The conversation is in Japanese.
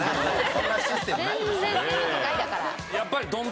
そんなシステムない。